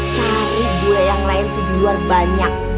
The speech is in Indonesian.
cari bule yang lain di luar banyak